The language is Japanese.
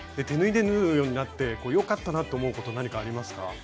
手縫いで縫うようになって良かったなって思うこと何かありますか？